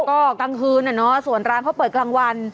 ก็กลางคืนอะเนาะส่วนร้านเขาเปิดกลางวัน